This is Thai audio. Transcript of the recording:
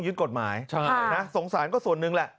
แจ้งได้นะครับ